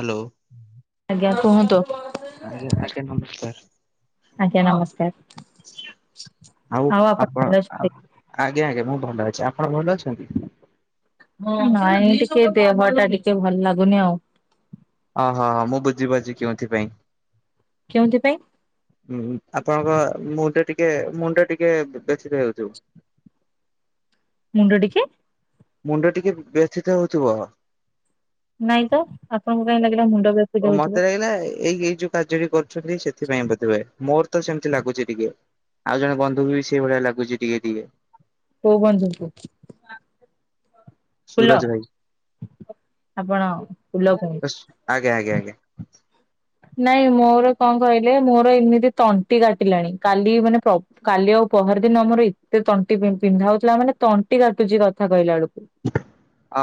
Hello. ଆଜ୍ଞା କୁହନ୍ତୁ, ଆଜ୍ଞା ଆଜ୍ଞା ନମସ୍କାର ଆଜ୍ଞା ନମସ୍କାର। ଆଉ ଆପଣ ଭଲ ଅଛନ୍ତି? ଆଜ୍ଞା ଆଜ୍ଞା ମୁଁ ଭଲ ଅଛି। ଆପଣ ଭଲ ଅଛନ୍ତି? [inaudible] ଟିକେ ଦେହ ଟା ଟିକେ ଭଲ ଲାଗୁନି ଆଉ। ଓହ ହଁ ମୁଁ ବୁଝିପାରୁଛି କେଉଁଥିପାଇଁ। କେଉଁଥିପାଇଁ? ହୁଁ ଆପଣଙ୍କ ମୁଣ୍ଡ ଟିକେ ମୁଣ୍ଡ ଟିକ ବ୍ୟଥିତ ହେଉଥିବ। ମୁଣ୍ଡ ଟିକେ? ମୁଣ୍ଡ ଟିକେ ବ୍ୟଥିତ ହଉଥିବ। ନାଇଁ ତ। ଆପଣଙ୍କୁ କାଇଁ ଲାଗିଲା ମୁଣ୍ଡ ବ୍ୟଥିତ ହଉଥିବ? ହେଲା ଏଇ ଏଇଜୁ କାର୍ଯ୍ୟ ବି କରୁଛନ୍ତି ସେଥିପାଇଁ ବୋଧୁଏ, ମୋର ତ ସେମିତି ଲାଗୁଛି ଟିକେ। ଆଉ ଜଣେ ବନ୍ଧୁ ବି ସେଇ ଭଳିଆ ଲାଗୁଚି ଟିକେ ଟିକେ। କୋଉ ବନ୍ଧୁଙ୍କୁ? ଫୁଲ? ସୁରଜ ଭାଇ ଆପଣ ଫୁଲ କୁହ ଆଜ୍ଞା ଆଜ୍ଞା ଆଜ୍ଞା। ନାଇଁ ମୋର କଣ କହିଲେ ମୋର ଏମିତି ତଣ୍ଟି କାଟିଲାଣି କାଲି ମାନେ ପ କାଲି ଆଉ ପହର ଦିନ ମୋର ଏତେ ତଣ୍ଟି ପିନ୍ଧା ହଉଥିଲା ମାନେ ତଣ୍ଟି କାଟୁଛି କଥା କହିଲା ବେଳକୁ।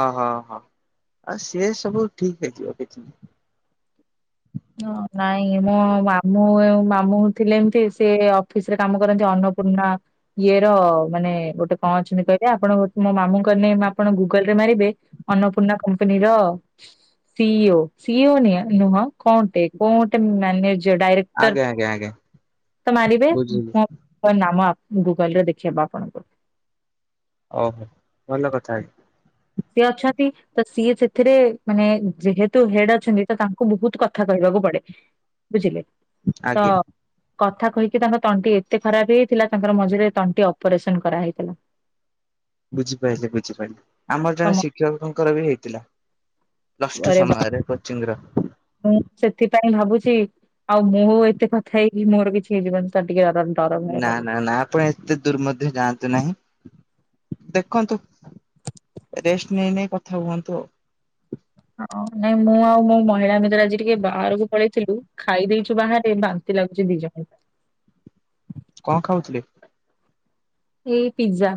ଅ ହ ହ ଆଉ ସିଏ ସବୁ ଠିକ ହେଇଯିବ କିଛି ନାଇ। ହଁ ନାଇଁ ମୋ ମାମୁଁ ମାମୁଁ ଥିଲେ ଏମତି ସିଏ ଅଫିସ ରେ କାମ କରନ୍ତି ଅନ୍ନପୂର୍ଣ୍ଣା ଇଏର ମାନେ ଗୋଟେ କଣ ଅଛନ୍ତି କହିଲେ ଆପଣ ମୋ ମାମୁଙ୍କ ନେମ୍ ଆପଣ ଗୁଗଲ ରେ ମାରିବେ ଅନ୍ନପୂର୍ଣ୍ଣା କମ୍ପାନୀର ସି ଇ ଓ, ସି ଇ ଓ ନୁହଁ କୋଉଟେ କୋଉଟେ ମ୍ୟାନେଜର ଡାଇରେକ୍ଟର ଆଜ୍ଞା ଆଜ୍ଞା ଆଜ୍ଞା ତ ମାରିବେ। ବୁଝିଲି ହ ନାମ ଗୁଗଲ ରେ ଦେଖେଇବା ଆପଣଙ୍କୁ। ଓହୋ ଭଲ କଥା। ସିଏ ଅଛନ୍ତି ତ ସିଏ ସେଥିରେ ମାନେ ଯେହେତୁ ହେଡ ଅଛନ୍ତି ତ ତାଙ୍କୁ ବହୁତ କଥା କହିବାକୁ ପଡେ। ବୁଝିଲେ ତ ଆଜ୍ଞା କଥା କହିକି ତାଙ୍କ ତଣ୍ଟି ଏତେ ଖରାପ ହେଇଆଇଥିଲା ତାଙ୍କର ମଝିରେ ତଣ୍ଟି ଅପରେସନ କରାହେଇଥିଲା। ବୁଝିପାରିଲି ବୁଝିପାରିଲି ଆମର ଜଣେ ଶିକ୍ଷକଙ୍କର ବି ହେଇଥିଲା। ପ୍ଲସ ଟୁ ତମରେ ବା ସମୟରେ କୋଚିଂ ର। ମୁଁ ସେଥିପାଇଁ ଭାବୁଚି ଆଉ ମୁଁ ଏତେ କଥା ହେଇକି ମୋର କିଛି ହେଇଯିବନି ତ ଟିକେ [unintelligible] ନା ନା ଲାଗୁଛି। ନା ଆପଣ ଏତେ ଦୂର ମଧ୍ୟ ଯାଆନ୍ତୁ ନାହିଁ। ଦେଖନ୍ତୁ। ରେଷ୍ଟ ନେଇ ନେଇ କଥା ହୁହନ୍ତୁ ଆଉ। ହଁ ନାଇଁ ମୁଁ ଆଉ ମୋ ମହିଳା ମିତ୍ର ଆଜି ଟିକେ ବାହାରକୁ ପଳେଇଥିଲୁ ଖାଇ ଦେଇଚୁ ବାହାରେ ବାନ୍ତି ଲାଗୁଚି ଦି ଜଣକୁ। କଣ ଖାଉଥିଲେ? ଏଇ ପିଜ୍ଜା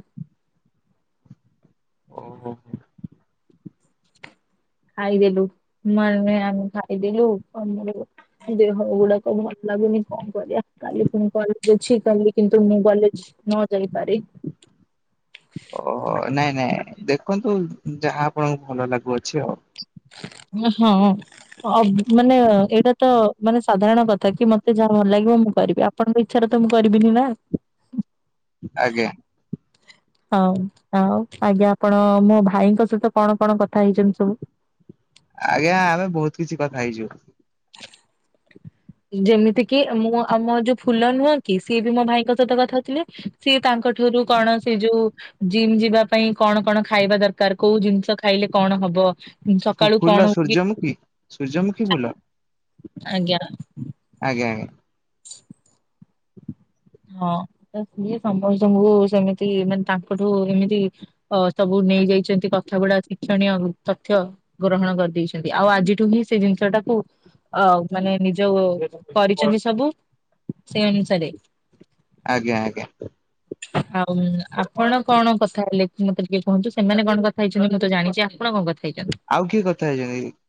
ଓ ହୋ ହୋ। ଖାଇଦେଲୁ ମେ ଆମ ଖାଇଦେଲୁ [unintelligible] ଦେହ ଗୁଡାକ ଭଲ ଲାଗୁନି କଣ କରିଆ, କାଲି ପୁଣି କଲେଜ୍ ଅଛି। କାଲି କିନ୍ତୁ ମୁଁ କଲେଜ୍ ନ ଯାଇପାରେ। ଓ ହୋ ନାଇଁ ନାଇଁ, ଦେଖନ୍ତୁ ଯାହା ଆପଣଙ୍କୁ ଭଲ ଲାଗୁଅଛି ଆଉ। ଓ ହଁ। ମାନେ ଏଇଟା ତ ମାନେ ସାଧାରଣ କଥା କି, ମତେ ଯାହା ଭଲ ଲାଗିବ ମୁଁ କରିବି। ଆ ଆପଣଙ୍କ ଇଚ୍ଛାରେ ତ ମୁଁ କରିବିନି ନା। ଆଜ୍ଞା। ହଉ ଆଉ ଆଜ୍ଞା, ଆପଣ ମୋ ଭାଇଙ୍କ ସହିତ କଣ କଣ କଥା ହେଇଛନ୍ତି ସବୁ? ଆଜ୍ଞା ଆମେ ବହୁତ କିଛି କଥା ହେଇଛୁ। [inaudible] ଯେମିତିକି ମୁଁ ଆମ ଯୋଉ ଫୁଲ ନୁହଁ କି, ସିଏ ବି ମୋ ଭାଇଙ୍କ ସହିତ କଥା ହଉଥିଲେ। ସିଏ ତାଙ୍କ ଠାରୁ କଣ ସେ ଯୋଉ ଜିମ୍ ଯିବା ପାଇଁ କଣ କଣ ଖାଇବା ଦରକାର, କୋଉ ଜିନିଷ ଖାଇଲେ କଣ ହବ? ସକାଳୁ ଫୁଲ କଣ [unintelligible] ସୂର୍ଯ୍ୟମୁଖୀ ସୂର୍ଯ୍ୟମୁଖୀ ଫୁଲ। ଆଜ୍ଞା। ଆଜ୍ଞା ଆଜ୍ଞା। ହଁ ସିଏ ସମସ୍ତଙ୍କୁ ସେମିତି ମାନେ ତାଙ୍କଠୁ ଏମିତି ଅ ସବୁ ନେଇଯାଇଛନ୍ତି, କଥା ଗୁଡା ଶିକ୍ଷଣୀୟ ତଥ୍ୟ ଗ୍ରହଣ କରିଦେଇଛନ୍ତି, ଆଉ ଆଜିଠୁ ହିଁ ସେ ଜିନିଷ ଟାକୁ ଅ ମାନେ ନିଜ କରିଛନ୍ତି ସବୁ, ସେଇ ଅନୁସାରେ ଆଜ୍ଞା ଆଜ୍ଞା। ଆଉ ଆପଣ କଣ କଥା ହେଲେ, ମତେ ଟିକେ କୁହନ୍ତୁ। ସେମାନେ କଣ କଥା ହେଇଛନ୍ତି ମୁଁ ତ ଜାଣିଛି। ଆପଣ କଣ କଥା ହେଇଛନ୍ତି? ଆଉ କିଏ କଥା ହେଇଛନ୍ତି କି?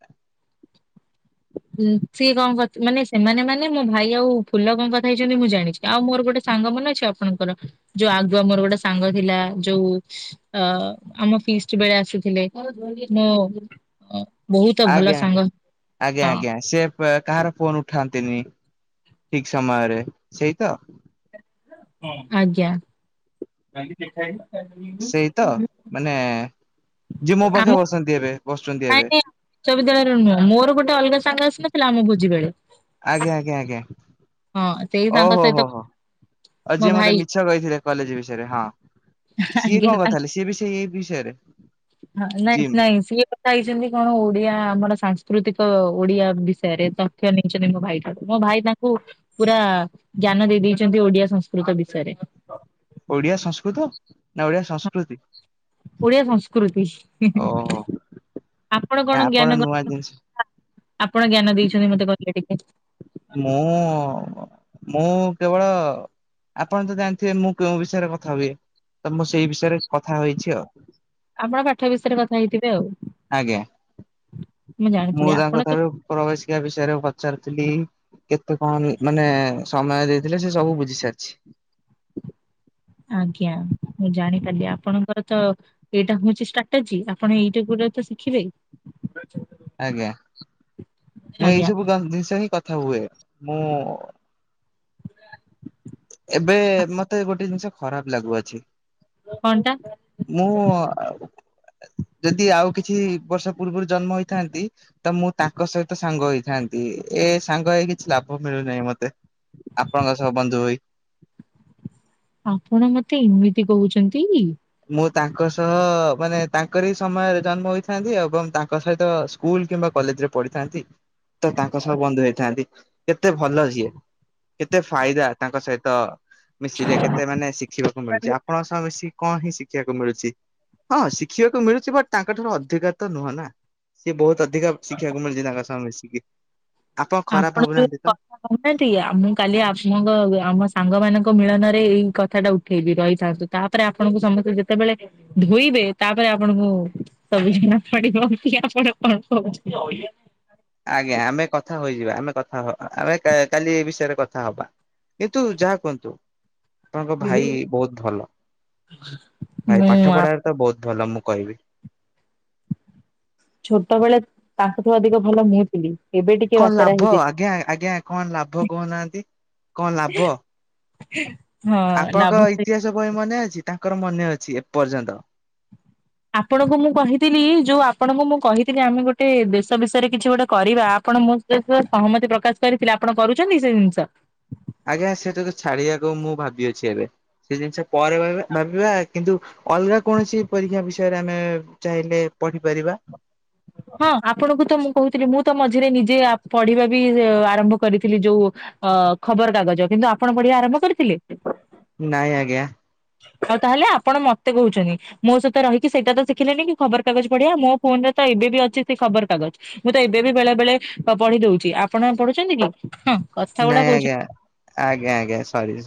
ସିଏ କଣ ମାନେ ସେମାନେ ମାନେ, ମୋ ଭାଇ ଆଉ ଫୁଲ କଣ କଥା ହେଇଛନ୍ତି ମୁଁ ଜାଣିଛି। ଆଉ ମୋର ଗୋଟେ ସାଙ୍ଗ ମନେ ଅଛି ଆପଣଙ୍କର, ଯୋଉ ଆଗୁଆ ମୋର ଗୋଟେ ସାଙ୍ଗ ଥିଲା, ଯୋଉ ଅ ଆମ ଫିଷ୍ଟ ବେଳେ ଆସୁଥିଲେ। ମୁଁ ଅ ବହୁତ ଆଜ୍ଞା ଭଲ ଆଜ୍ଞା ସାଙ୍ଗ। ଆଜ୍ଞା ହଁ ଆଜ୍ଞା ସେ କାହାର ଫୋନ ଉଠାନ୍ତିନି। ଠିକ୍ ସମୟରେ, ସେଇ ତ? ଆଜ୍ଞା। ସେଇ ତ, ମାନେ ଯିଏ ମୋ ପାଖେ ବସନ୍ତି ଏବେ ବସୁଛନ୍ତି ଏବେ। ଉଚ୍ଚ ବିଦ୍ୟାଳୟର ନୁହଁ, ମୋର ଗୋଟେ ଅଲଗା ସାଙ୍ଗ ଆସିନଥିଲା ଆମ ଭୋଜି ବେଳେ। ଆଜ୍ଞା ଆଜ୍ଞା ଆଜ୍ଞା ହଁ ସେଇ ଓ ସାଙ୍ଗ ହୋ ସହିତ ହୋ ହୋ, ଆଉ ମୋ ଯିଏ ଭାଇ ମତେ ମିଛ ମିଛ କହିଥିଲେ କଲେଜ ବିଷୟରେ ହଁ। ସିଏ ଆଜ୍ଞା କଣ କଥା ତାଙ୍କ ହେଲେ, ସିଏ ବି ସେ ଏ ବିଷୟରେ ନାଇଁ ଜିମ୍। ନାଇଁ ସିଏ କଥା ହେଇଛନ୍ତି, କଣ ଓଡିଆ ଆମର ସାଂସ୍କୃତିକ ଓଡିଆ ବିଷୟରେ। ତଥ୍ୟ ନେଇ [unintelligible] ମୋ ଭାଇକୁ ମୋ ଭାଇ, ତାଙ୍କୁ ପୁରା ଜ୍ଞାନ ଦେଇ ଦେଇଚନ୍ତି ଓଡିଆ ସଂସ୍କୃତ ବିଷୟରେ। ଓଡିଆ ସଂସ୍କୃତ ନା ଓଡିଆ ସଂସ୍କୃତି? ଓଡିଆ ସଂସ୍କୃତି। ଓହୋ ଆପଣ କଣ ଜ୍ଞାନ ନୂଆ ଜିନିଷ କ ଆପଣ ଜ୍ଞାନ ଦେଇଛନ୍ତି ମତେ କହିଲେ ଟିକେ। ମୁଁ- ମୁଁ କେବଳ ଆପଣ ତ ଜାଣିଥିବେ ମୁଁ କେଉଁ ବିଷୟରେ କଥା ହୁଏ, ତ ମୁଁ ସେଇ ବିଷୟରେ କଥା ହେଇଛି ଆଉ। ଆପଣ ପାଠ ବିଷୟରେ କଥା ହେଇଥିବେ ଆଉ। ଆଜ୍ଞା ଜାଣିଥିଲି ମୁଁ ଆପଣ ତାଙ୍କ ତ ଠାରୁ ପ୍ରବେଶିକା ବିଷୟରେ ପଚାରୁଥିଲି। କେତେ କଣ ମାନେ ସମୟ ଦେଇଥିଲେ ସେ ସବୁ ବୁଝି ସାରିଛି। ଆଜ୍ଞା ମୁଁ ଜାଣିପାରିଲି ଆପଣଙ୍କର ତ ଏଇଟା ହଉଛି ଷ୍ଟ୍ରାଟାଜି, ଆପଣ ଏଇଟା ଗୁଡା ତ ଶିଖିବେ। ଆଜ୍ଞା, ମୁଁ ଏଇ ଆଜ୍ଞା ସବୁ ଜିନିଷ ହିଁ କଥା ହୁଏ, ମୁଁ ଏବେ ମତେ ଗୋଟେ ଜିନିଷ ଖରାପ ଲାଗୁଅଛି। କଣଟା? ମୁଁ ଯଦି ଆଉ କିଛି ବର୍ଷ ପୂର୍ବରୁ ଜନ୍ମ ହୋଇଥାନ୍ତି ତ ମୁଁ ତାଙ୍କ ସହିତ ସାଙ୍ଗ ହେଇଥାନ୍ତି। ଏ ସାଙ୍ଗ ହେଇ କିଛି ଲାଭ ମିଳୁନାହିଁ ମତେ। ଆପଣଙ୍କ ସହ ବନ୍ଧୁ ହେଇ। ଆପଣ ମତେ ଏମିତି କହୁଛନ୍ତି? ମୁଁ ତାଙ୍କ ସହ ମାନେ ତାଙ୍କରି ସମୟରେ ଜନ୍ମ ହୋଇଥାନ୍ତି ଏବଂ ତାଙ୍କ ସହିତ ସ୍କୁଲ କିମ୍ବା କଲେଜ ରେ ପଢିଥାନ୍ତି ତ ତାଙ୍କ ସହ ବନ୍ଧୁ ହେଇଥାନ୍ତି। କେତେ ଭଲ ଯିଏ କେତେ ଫାଇଦା ତାଙ୍କ ସହିତ ମିଶିଲେ କେତେ ମାନେ ସି ଦେଖିବାକୁ ମିଳୁଛି। ଆପଣଙ୍କ ସହ ମୀଶୀ କଣ ହିଁ ଶିଖିବାକୁ ମିଳୁଛି? ହଁ ଶିଖିବାକୁ ମିଳୁଛି ବଟ ତାଙ୍କ ଠାରୁ ଅଧିକା ତ ନୁହଁ ନା? ସିଏ ବହୁତ ଅଧିକା ଶିଖିବାକୁ ମିଳଛି ତାଙ୍କ ସମୟ ମିଶିକି। ଆପଣ ଖରାପ ଭାବୁନାହାନ୍ତି ତ? [unintelligible] ମୁଁ କାଲି ଆପଣଙ୍କ ଆମ ସାଙ୍ଗ ମାନଙ୍କ ମିଳନରେ ଏଇ କଥା ଟା ଉଠେଇବି ରହିଥାନ୍ତୁ। ତାପରେ ଆପଣଙ୍କୁ ସମସ୍ତେ ଯେତେବେଳେ ଧୋଇବେ ତାପରେ ଆପଣଙ୍କୁ ତ ବି ନା ପଡିପ [inaudible] ଆଜ୍ଞା ଆମେ କଥା ହୋଇଯିବା ଆମେ କଥା ହବା ଆମେ କାଲି ଏ ବିଷୟରେ କଥା ହବା। କିନ୍ତୁ ଯାହା କୁହନ୍ତୁ ଆପଣଙ୍କ ଭାଇ ବହୁତ ଭଲ, ଭାଇ ମୁଁ ପାଠ ଆ- ପଢାରେ ତ ବହୁତ ଭଲ ମୁଁ କହିବି। ଛୋଟ ବେଳେ ତାଙ୍କଠୁ ଅଧିକ ଭଲ ମୁହ [inaudible] ଏବେ ଟିକେ କଣ ବାତେରା ଲାଭ ହେଇଯାଇଛି। ଆଜ୍ଞା ଆଜ୍ଞା କଣ ଲାଭ କହୁନାହାନ୍ତି କଣ ଲାଭ? ହଁ। ଲାଭ ଆପଣଙ୍କ ଥାଏ। ଇତିହାସ ବହି ମନେ ଅଛି ତାଙ୍କର ମନେ ଅଛି ଏପର୍ଯ୍ୟନ୍ତ। ଆପଣଙ୍କୁ ମୁଁ କହିଥିଲି ଯୋଉ ଆପଣଙ୍କୁ ମୁଁ କହିଥିଲି ଆମେ ଗୋଟେ ଦେଶ ବିଷୟରେ କିଛି ଗୋଟେ କରିବା ଆପଣ ସହମତି ପ୍ରକାଶ କରିଥିଲେ ଆପଣ କରୁଛନ୍ତି ସେ ଜିନିଷ? ଆଜ୍ଞା ସେଟାକୁ ଛାଡିବାକୁ ମୁଁ ଭାବିଅଛି ଏବେ ସେ ଜିନିଷ ପରେ ଭାବିବା କିନ୍ତୁ ଅଲଗା କୌଣସି ପରୀକ୍ଷା ବିଷୟରେ ଆମେ ଚାହିଁଲେ ପଢିପାରିବା। ହଁ ଆପଣଙ୍କୁ ତ ମୁଁ କହୁଥିଲି ମୁଁ ତ ମଝିରେ ନିଜଆ ପଢିବା ବି ଆରମ୍ଭ କରିଥିଲି ଯୋଉ ଅ ଖବର କାଗଜ କିନ୍ତୁ ଆପଣ ବଢ଼ୀଆ ଆରମ୍ଭ କରିଥିଲେ? ନାଇଁ ଆଜ୍ଞା। ଆଉ ତାହେଲେ ଆପଣ ମତେ କହୁଛନ୍ତି। ମୋ ସହିତ ରହିକି ସେଇଟା ତ ଶଖିଲେି କି ଖବରକାଗଜ ପଢ଼ୀଆ ମୋ ଫୋନ ରେ ତ ଏବେ ଅଛି ସେ ଖବର କାଗଜ ମୁଁ ତ ଏବେ ବି ବେଳେ ବେଳେ ପଢି ଦଉଛି ଆପଣ ପଢୁଛନ୍ତି କି? ହଁ କଥା ଗୁଡା ନାଇଁ କହୁଛନ୍ତି। ଆଜ୍ଞା ଆଜ୍ଞା ଆଜ୍ଞା ସରି।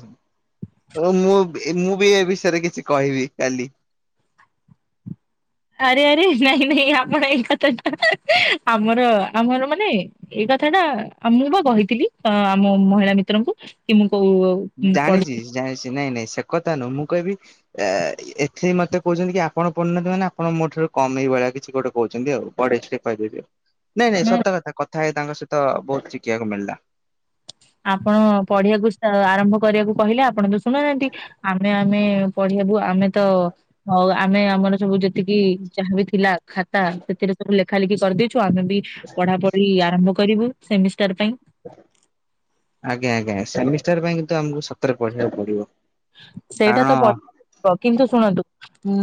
ଓ ମୁଁ ମୁଁ ବି ଏ ବିଷୟରେ କିଛି କହିବି କାଲି। ଆରେ ଆରେ ନାଇଁ ନାଇଁ ଆପଣ ଏଇ କଥାଟା ଆମର ଆମର ମାନେ ଏଇ କଥା ଟା ମୁଁ ବା କହିଥିଲି ଆମ ମହିଳା ମିତ୍ରଙ୍କୁ କି ମୁଁ କୋଉ ଜାଣିଛି ପଢୁଥିଲି ଜାଣିଛି ନାଇଁ ନାଇଁ ସେ କଥା ନୁହଁ ମୁଁ କହିବି ଏ ଏଥି ମତେ କହୁଛନ୍ତି କି ଆପଣ [unintelligible] ମାନେ ଆପଣ ମୋ ଠାରୁ କମ ଏଇ ଭଳିଆ କିଛି ଗୋଟେ କହୁଛନ୍ତି ଆଉ। ପଢ କହିଦେବି, ନାଇଁ ନାଇଁ ନା ସତ କଥା କଥା ହେଇ ତାଙ୍କ ସହିତ ବହୁତ ଶିଖିବାକୁ ମିଳିଲା। ଆପଣ ପଢ଼ୀଆକୁ ଆରମ୍ଭ କରିବାକୁ କହିଲେ ଆପଣ ତ ଶୁଣୁନାହାନ୍ତି। ଆମେ ଆମେ ପଢଆବୁ ଆମେ ତ ଆମେ ଆମର ସବୁ ଯେତିକି ଯାହାବି ଥିଲା ଖାତା ସେଥିରେ ସବୁ ଲେଖା ଲେଖି କରିଦେବି। ଆମେ ବି ପଢା ପଢି ଆରମ୍ଭ କରିବୁ ସେମିଷ୍ଟାର ପାଇଁ। ଆଜ୍ଞା ଆଜ୍ଞା ସେମିଷ୍ଟାର ପାଇଁ କିନ୍ତୁ ଆମକୁ ସତରେ ପଢିବାକୁ ପଡିବ। ସେଇଟା କାରଣ ତ ପ ହ କିନ୍ତୁ ଶୁଣନ୍ତୁ।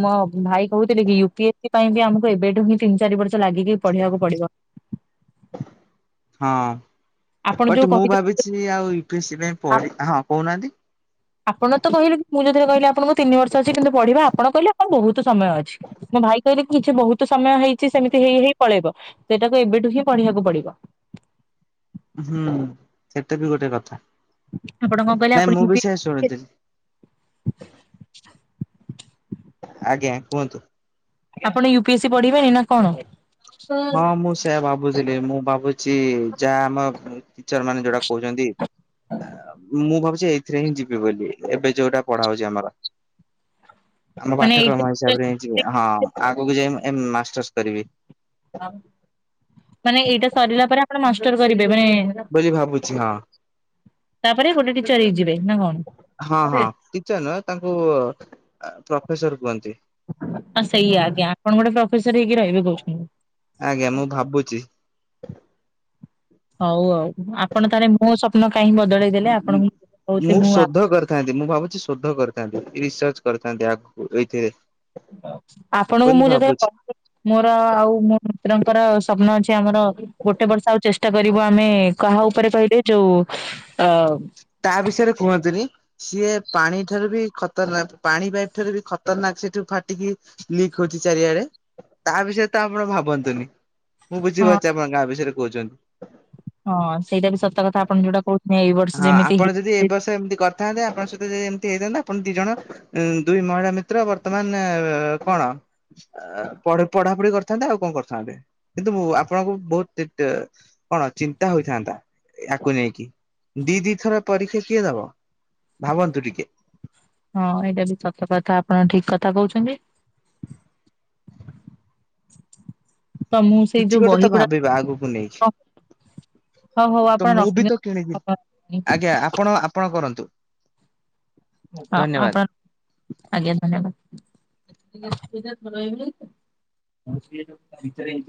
ମୋ ଭାଇ କହୁଥିଲି କି ୟୁ ପି ଏସ୍ ସି ପାଇଁ ବି ଆମକୁ ଏବେଠୁ ହିଁ ତିନି ଚାରି ବର୍ଷ ଲାଗିକି ପଢିବାକୁ ପଡିବ। ହଁ ଆପଣ ଯୋଉ ବଟ ମୁଁ ଭାବି କହିଥିଲେ ଚି ଆଉ ୟୁ ପି ଏସ ସି ପାଇଁ ଆ- ପଢ଼ି ହଁ କହୁନାହାନ୍ତି। ଆପଣ ତ କହିଲେ ମୁଁ ଯୋଉ ଦିନ କହିଲି ଆପଣଙ୍କୁ ତିନି ବର୍ଷ ଅଛି କିନ୍ତୁ ପଢିବା, ଆପଣ କହିଲେ ମୋର ବହୁତ ସମୟ ଅଛି। ମୋ ଭାଇ କହିବେ କି ଝିଅ ବହୁତ ସମୟ ହେଇଛି ସେମିତି ହେଇ ହେଇ ପଳେଇବ, ସେଇଟାକୁ ଏବେଠୁ ହିଁ ପଢିବାକୁ ପଡିବ। ହୁଁ ସେଟା ବି ଗୋଟେ କଥା ଆପଣ କଣ କହିଲେ ଆପଣ ନାଇଁ ୟୁ ମୁଁ ପି ବି ସେଇଆ ଶୁଣିଥିଲି। ଆଜ୍ଞା କୁହନ୍ତୁ ଆପଣ ୟୁପି ଏସ୍ ସି ପଢିବେନି? ନା କଣ? ହଁ ମୁଁ ସେୟା ଭାବୁଥିଲି, ମୁଁ ଭାବୁଚି ଯା ଆମ ଟିଚର ମାନେ ଯୋଉଟା କହୁଛନ୍ତି। ମୁଁ ଭାବୁଛି ଥିରେ ହିଁ ଯିବି ବୋଲି ଏବେ ଯୋଉଟା ପଢା ହୋଉଛି ଆମର। ଆମ ମାନେ ଏଇଟା ପାଠ୍ୟକ୍ରମ ହିସା [unintelligible] ହଁ ଆଗକୁ ଯାଇ ଏମ୍ ମାଷ୍ଟର୍ସ କରିବେ। ମାନେ ଏଇଟା ସରିଲା ପରେ ଆପଣ ମଷ୍ଟର କରିବେ ମାନେ ବୋଲି ଭାବୁଛି ହଁ। ତାପରେ ଗୋଟେ ଟିଚର ହେଇଯିବେ ନା କଣ? ଚର ନୁହେଁ ତାଙ୍କୁ ପ୍ରଫେସର କୁହନ୍ତି। ହଁ ସେଇଆ ଆଜ୍ଞା ଆପଣ ଗୋଟେ ପ୍ରଫେସର ହେଇକି ରହିବେ ଆଜ୍ଞା ମୁଁ ଭାବୁଛି କହୁଛନ୍ତି। ହଉ ଆଉ ଆପଣ ତାହା ହେଲେ ମୋ ସ୍ୱପ୍ନ କାହିଁଁକି ବଦଳେଇ ଦେଲେ ଆପଣଙ୍କୁ କହୁଥିଲି ମୁଁ ଆ ଥାନ୍ତି ମୁଁ ଭାବୁଛି ଶୋଧ କରିଥାନ୍ତି। ରିସର୍ଚ କରିଥାନ୍ତି ଆଗୁକୁ ଏଇଥିରେ। ଆପଣଙ୍କୁ ବୋଲି ମୁଁ ଯେତେ ଭାବୁଛି [inaudible] ମୋର ଆଉ ମୋ ପୁତୁରାଙ୍କର ସ୍ୱପ୍ନ ଅଛି ଆମର ଗୋଟେ ବର୍ଷ ଆଉ ଚେଷ୍ଟା କରିବୁ ଆମେ କାହା ଉପରେ କହିଲେ ଯୋଉ ଅ ତା ବିଷୟରେ କୁହନ୍ତୁନି। ସିଏ ପାଣି ଠାରୁ ବି ଖତରନାକ ପାଣି ପାଇପ ଠାରୁ ବି ଖତରନାକ ସେଠୁ ଫାଟିକି ଲିକ୍ ହଉଛି ଚାରିଆଡେ। ତା ବିଷୟରେ ତ ଆପଣ ଭାବନ୍ତୁନି। ମୁଁ ହଁ ବୁଝିପାରୁଛି ଆପଣ ଗାଁ ବିଷୟରେ କହୁଛନ୍ତି। ହଁ ସେଇଟା ବି ସତ କଥା ଆପଣ ଯୋଉଟା କହୁ ହଁ ଆପଣ ଯଦି ଏ ବର୍ଷ ଏମିତି କରିଥାନ୍ତେ ଆପଣଙ୍କ ସହିତ ଯଦି ଏମିତି ହେଇଥାନ୍ତା ଆପଣ ଦି ଜଣ ଉ ଦୁଇ ମହିଳା ମିତ୍ର ବର୍ତ୍ତମାନ କଣ? ଆଁ ପଢ ପଢାପଢି କରିଥାନ୍ତେ। ଆଉ କଣ କରିଥାନ୍ତେ କିନ୍ତୁ ଆପଣଙ୍କୁ ବହୁତ [unintelligible] କଣ ଚିନ୍ତା ହୋଇଥାନ୍ତା ୟାକୁ ନେଇକି। ଦି ଦି ଥର ପରୀକ୍ଷା କିଏ ଦବ? ଭାବନ୍ତୁ ଟିକେ। ହଁ ଏଇଟା ବି ସତ କଥା ଆପଣ ଠିକ କଥା କହୁଛନ୍ତି। ତ ମୁଁ ସେଇ କିଛି ଯୋଉ ଗୋଟେ ତ ବହି ଗୁଡା ଭାବିବା ଆଗକୁ ନେଇକି। ହଉ ହଉ ତ ଆପଣ ମୁଁ ବିତ କିଣିବି ରଖିଦିଅନ୍ତୁ। ଆଜ୍ଞା ଆପଣ ଆପଣ କରନ୍ତୁ। ହଁ ଧନ୍ୟବାଦ। ଆପଣ ଆଜ୍ଞା ଧନ୍ୟବାଦ୍ [unintelligible]